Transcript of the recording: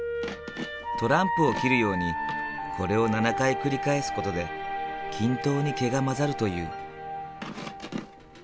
トランプを切るようにこれを７回繰り返す事で均等に毛が混ざるという。